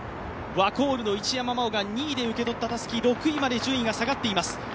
ワコールの一山麻緒が２位で受け取ったたすき、６位まで順位が下がっています。